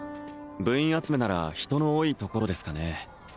部員集めなら人の多いところですかね？